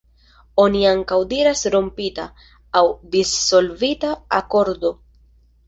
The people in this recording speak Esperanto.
Oni ankaŭ diras "rompita", aŭ "dissolvita" akordo.